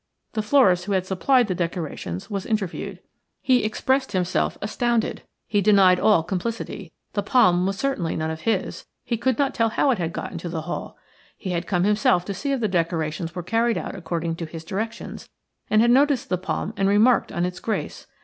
The florist who had supplied the decorations was interviewed. He expressed himself astounded. He denied all complicity – the palm was certainly none of his; he could not tell how it had got into the hall. He had come himself to see if the decorations were carried out according to his directions, and had noticed the palm and remarked on its grace.